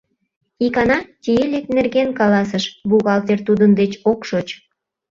Икана Тиилик нерген каласыш: «Бухгалтер тудын деч ок шоч».